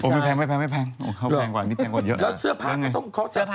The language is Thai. อ้อไม่แพงไม่แพง